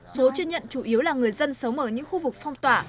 số chưa nhận chủ yếu là người dân sống ở những khu vực phong tỏa